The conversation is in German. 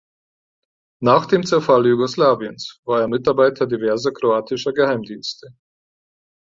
Nach dem Zerfall Jugoslawiens war er Mitarbeiter diverser kroatischer Geheimdienste.